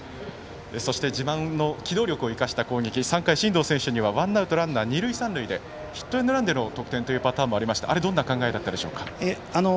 そして自慢の機動力を生かした攻撃３回はランナー、二塁三塁でヒットエンドランでの得点というパターンもありましたどういう考えだったんでしょうか？